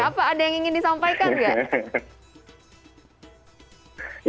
apa ada yang ingin disampaikan nggak